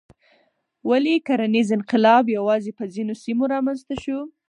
ولې کرنیز انقلاب یوازې په ځینو سیمو رامنځته شو؟